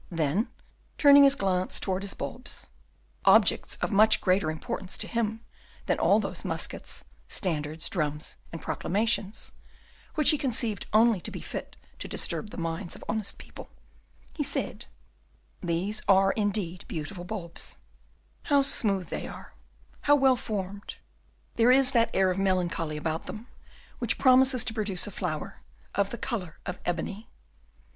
Then turning his glance towards his bulbs, objects of much greater importance to him than all those muskets, standards, drums, and proclamations, which he conceived only to be fit to disturb the minds of honest people, he said: "These are, indeed, beautiful bulbs; how smooth they are, how well formed; there is that air of melancholy about them which promises to produce a flower of the colour of ebony.